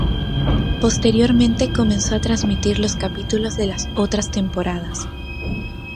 Posteriormente comenzó a transmitir los capítulos de las otras temporadas.